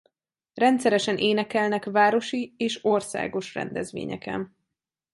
Rendszeresen énekelnek városi és országos rendezvényeken.